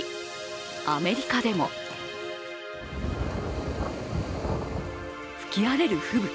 アメリカでも吹き荒れる吹雪。